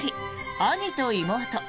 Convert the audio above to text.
兄と妹。